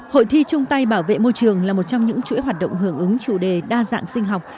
hội thi trung tay bảo vệ môi trường là một trong những chuỗi hoạt động hưởng ứng chủ đề đa dạng sinh học